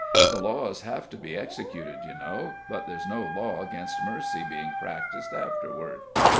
The laws have to be executed, you know, but there's no law against mercy being practiced afterward.